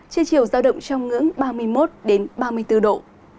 trên chiều giao động trong ngưỡng ba mươi một ba mươi bốn độ